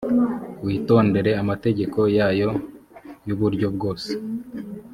witondere amategeko yayo y’uburyo bwose